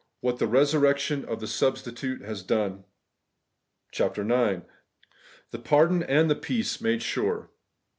WHAT THE RESURRECTION OF THE SUBSTITUTE HAS DONE, . 126 CHAPTER IX. THE PARDON AND THE PEACE MADE SURE